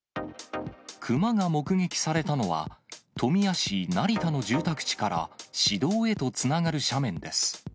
熊が目撃されたのは、富谷市成田の住宅地からし道へとつながる斜面です。